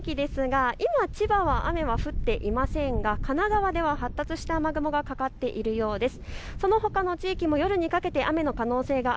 さて天気ですが今、千葉は雨は降っていませんが神奈川では発達した雨雲がかかっているようです。